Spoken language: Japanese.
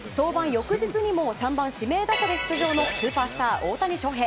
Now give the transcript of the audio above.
翌日にも３番指名打者で出場のスーパースター、大谷翔平。